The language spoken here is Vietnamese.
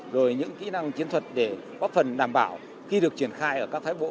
rồi những kỹ năng chiến thuật để góp phần đảm bảo khi được triển khai ở các phái bộ